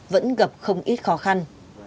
vẫn gặp không ít khó khăn